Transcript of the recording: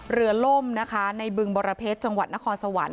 ล่มนะคะในบึงบรเพชรจังหวัดนครสวรรค์